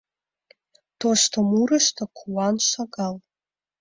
Тошто мурышто куан шагал.